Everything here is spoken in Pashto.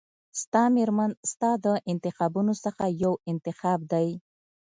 ستا مېرمن ستا د انتخابونو څخه یو انتخاب دی.